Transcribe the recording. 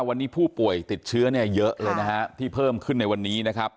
วันนี้ผู้ป่วยติดเชื้อเนี่ยเยอะเลยนะฮะที่เพิ่มขึ้นในวันนี้นะครับ